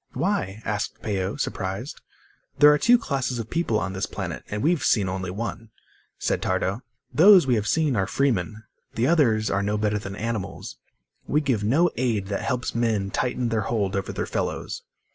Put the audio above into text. "Why?" asked Peo, surprised. "There are two classes of people on this planet, and we've seen only one," said Tardo. "Those we have seen are freemen. The others are no better than animals. We give no aid that helps men tighten their hold over their fellows."